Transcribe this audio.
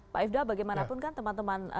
pak ifdal bagaimanapun kan teman teman